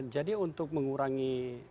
jadi untuk mengurangi